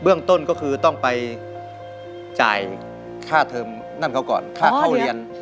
เรื่องต้นก็คือต้องไปจ่ายค่าเทอมนั่นเขาก่อนค่าเข้าเรียน